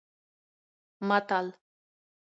متل